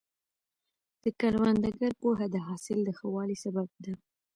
د کروندګر پوهه د حاصل د ښه والي سبب ده.